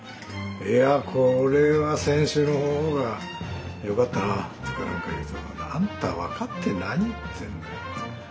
「いやこれは先週のほうがよかったなぁ」とかなんか言うと「あんた何言ってんのよ。